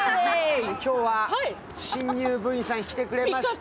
今日は新入部員さんが来てくれました。